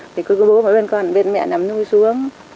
thì cứ bố phải bên con bên mẹ nằm nuôi xuống